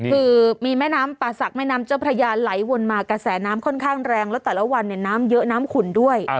คือมีแม่น้ำป่าศักดิ์แม่น้ำเจ้าพระยาไหลวนมากระแสน้ำค่อนข้างแรงแล้วแต่ละวันเนี่ยน้ำเยอะน้ำขุ่นด้วย